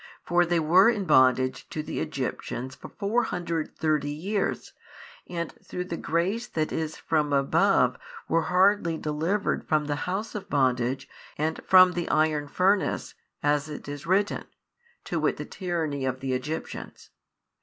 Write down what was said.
For they were in bondage to the Egyptians for 430 years and through the grace that is from above were hardly delivered from the house of bondage and from the iron furnace, as it is written, to wit the tyranny of the Egyptians.